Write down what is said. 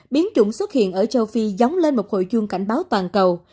biến chủng xuất hiện ở châu phi dóng lên một hội chuông cảnh báo toàn cầu